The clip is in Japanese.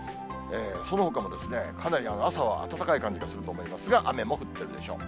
そのほかもかなり朝は暖かい感じがすると思いますが、雨も降ってるでしょう。